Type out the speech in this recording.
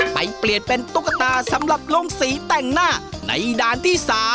เปลี่ยนเป็นตุ๊กตาสำหรับลงสีแต่งหน้าในด่านที่๓